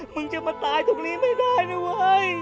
มึงจะมาตายตรงนี้ไม่ได้นะเว้ย